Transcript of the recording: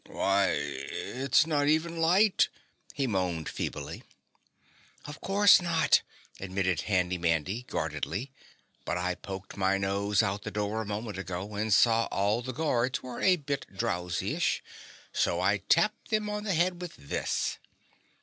"Why, it's not even light!" he moaned feebly. "Of course not," admitted Handy Mandy guardedly, "but I poked my nose out the door a moment ago and saw all the guards were a bit drowsyish, so I tapped them on the head with this."